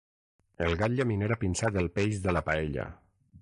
El gat llaminer ha pinçat el peix de la paella.